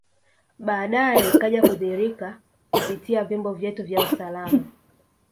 Baadae ikaja kudhihirika kupitia vyombo vyetu vya usalama